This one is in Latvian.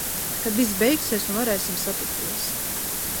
Kad viss beigsies un varēsim satikties.